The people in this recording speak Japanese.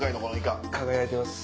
輝いてます。